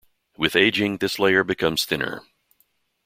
With ageing, this layer becomes thinner.